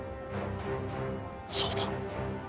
そうだ。